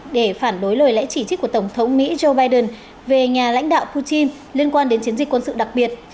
để phản đối lời lẽ chỉ trích của tổng thống mỹ joe biden về nhà lãnh đạo putin liên quan đến chiến dịch quân sự đặc biệt